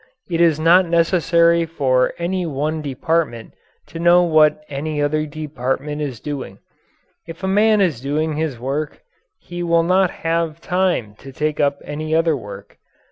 It is not necessary for any one department to know what any other department is doing. If a man is doing his work he will not have time to take up any other work.